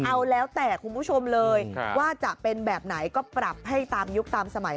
เอาแล้วแต่คุณผู้ชมเลยว่าจะเป็นแบบไหนก็ปรับให้ตามยุคตามสมัย